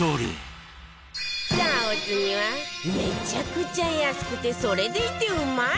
さあお次はめちゃくちゃ安くてそれでいてうまい！